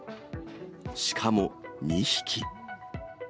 しかも２匹。